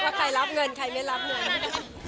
ถ้าใครรับเงินใครไม่รับเงิน